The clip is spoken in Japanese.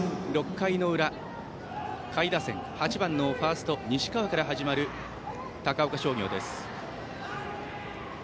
６回の裏、下位打線８番のファースト、西川から始まる高岡商業。